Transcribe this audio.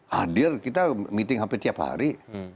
hadir kita meeting hampir tiap hari